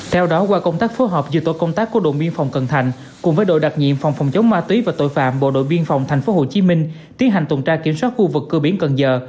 theo đó qua công tác phối hợp dự tội công tác của động biên phòng cần thành cùng với đội đặc nhiệm phòng phòng chống ma túy và tội phạm bộ đội biên phòng thành phố hồ chí minh tiến hành tồn tra kiểm soát khu vực cửa biển cần giờ